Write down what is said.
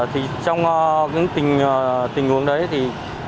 trong những tình huống đấy thì